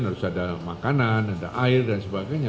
harus ada makanan ada air dan sebagainya